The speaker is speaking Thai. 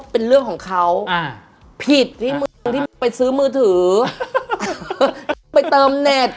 เป็นเรื่องของเขาผิดที่ไปซื้อมือถือไปเติมเน็ต